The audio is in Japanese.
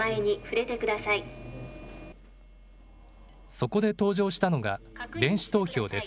そこで登場したのが電子投票です。